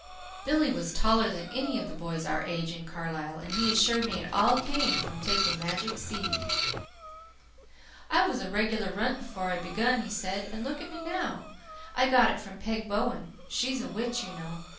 Billy was taller than any boy of his age in Carlisle, and he assured me it all came from taking magic seed. "I was a regular runt before I begun," he said, "and look at me now. I got it from Peg Bowen. She's a witch, you know.